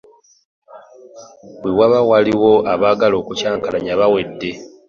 Bwe waba waliwo abaagala okukyankalanya bawedde.